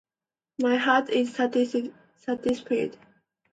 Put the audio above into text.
My heart is satisfied.